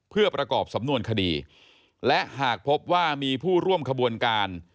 เพื่อประกอบสำนวนคดีและหากพบว่ามีผู้ร่วมขบวนการ